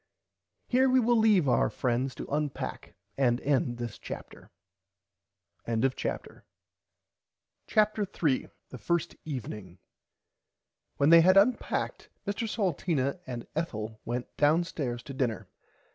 Here we will leave our friends to unpack and end this Chapter. [Pg 36] CHAPTER 3 THE FIRST EVENING When they had unpacked Mr Salteena and Ethel went downstairs to dinner.